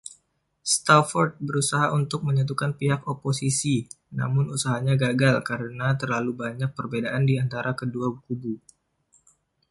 Stafford berusaha untuk menyatukan pihak oposisi, namun usahanya gagal karena terlalu banyak perbedaan di antara kedua kubu.